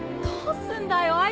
どうすんだよ